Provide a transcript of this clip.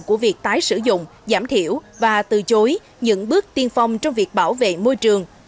của việc tái sử dụng giảm thiểu và từ chối những bước tiên phong trong việc bảo vệ môi trường